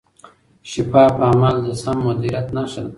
شفاف عمل د سم مدیریت نښه ده.